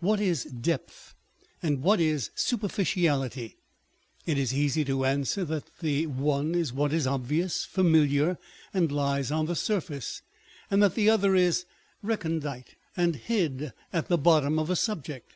What is depth and what is superficiality ? It is easy to answer that the one is what is obvious, familiar, and lies on the surface, and that the other is recondite and hid at the bottom of a subject.